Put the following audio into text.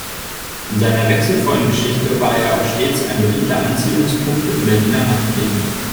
In seiner wechselvollen Geschichte war er auch stets ein beliebter Anziehungspunkt im Berliner Nachtleben.